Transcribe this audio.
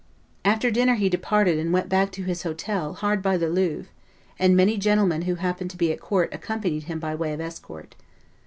After dinner he departed and went back to his hotel hard by the Louvre; and many gentlemen who happened to be at court accompanied him by way of escort.